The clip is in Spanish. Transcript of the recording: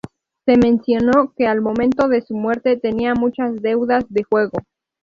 Se mencionó que al momento de su muerte tenía muchas deudas de juego.